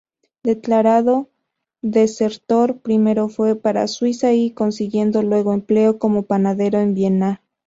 Declarado desertor, primero fue para Suiza y consiguiendo luego empleo como panadero en Viena.